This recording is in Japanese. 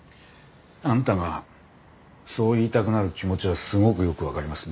あんたがそう言いたくなる気持ちはすごくよくわかります。